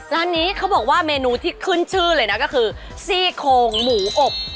ร้านนี้เขาบอกว่าเมนูที่ขึ้นชื่อเลยนะก็คือซี่โคงหมูอบ